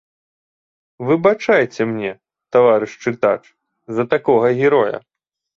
Выбачайце мне, таварыш чытач, за такога героя.